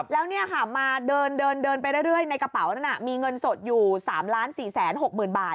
แล้วเนี่ยค่ะมาเดินไปเรื่อยในกระเป๋านั้นมีเงินสดอยู่๓๔๖๐๐๐บาท